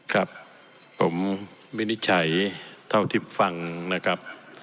ครับผมวินิจฉัยเท่าที่ฟังนะครับ